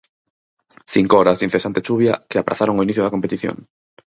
Cinco horas de incesante chuvia que aprazaron o inicio da competición.